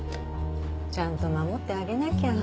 ちゃんと守ってあげなきゃ。